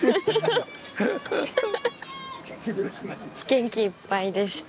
元気いっぱいでした。